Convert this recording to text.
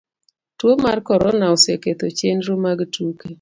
tuo mar corona oseketho chenro mag tuke